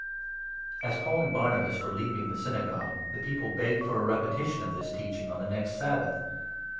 As Paul and Barnabas were leaving the Synagogue, the 42 people begged for a repetition of this teaching on the next Sabbath.